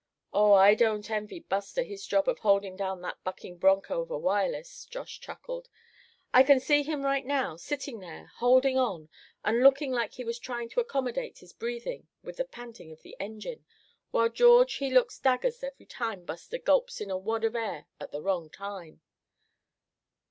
"Oh! I don't envy Buster his job of holding down that bucking broncho of a Wireless," Josh chuckled. "I c'n see him right now, sitting there, holding on, and looking like he was tryin' to accommodate his breathin' with the panting of the engine, while George he looks daggers every time Buster gulps in a wad of air at the wrong time."